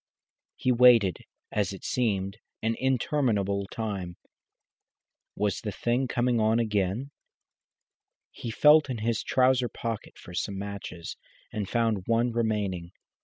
He waited, as it seemed, an interminable time. Was the thing coming on again? He felt in his trouser pocket for some matches, and found one remaining.